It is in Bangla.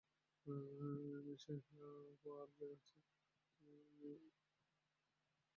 ম্যাপে আরো জায়গা আছে।